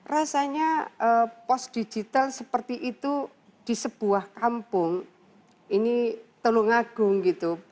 rasanya pos digital seperti itu di sebuah kampung ini telungagung gitu